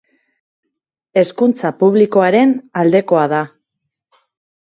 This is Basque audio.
Hezkuntza publikoaren aldekoa da.